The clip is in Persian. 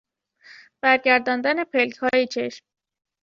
برگرداندن پلکهای چشم